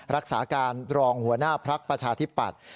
รักษาการรองหัวหน้าภักดิ์ประชาธิปัตย์